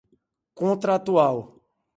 contratual